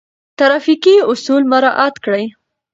ترافيکي اصول مراعات کړئ.